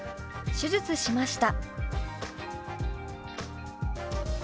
「手術しました」。